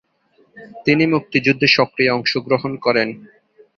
তিনি মুক্তিযুদ্ধে সক্রিয় অংশগ্রহণ করেন।